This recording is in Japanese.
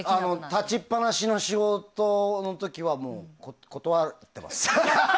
立ちっぱなしの仕事の時は断ってます。